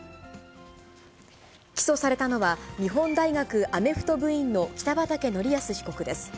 起訴されたのは、日本大学アメフト部員の北畠成文被告です。